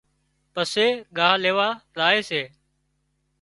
پسي ڳاهَ ليوا زائي سي۔